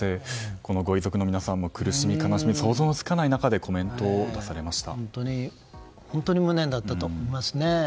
このご遺族の皆さんの苦しみ、悲しみ想像もつかない中で本当に無念だったと思いますね。